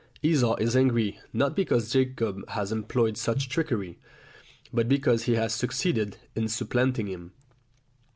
Esau is angry not because Jacob has employed such trickery, but because he has succeeded in supplanting him.